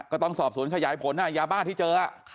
ก็ต้องสอบสวนขยายผลยาบ้าที่เจอ